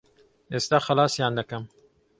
ئێستا خەلاسیان دەکەم.